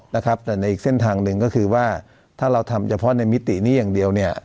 นะครับแต่ในอีกเส้นทางหนึ่งก็คือว่าถ้าเราทำเฉพาะในมิตินี้อย่างเดียวเนี่ย